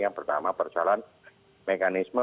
yang pertama persoalan mekanisme